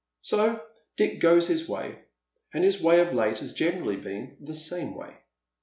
So Dick goes his way, and his way of late has generally been the same way.